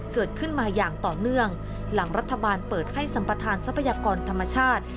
เกิดขึ้นมาอย่างต่อเนื่องหลังรัฐบาลเปิดให้สัมประธานทรัพยากรธรรมชาติ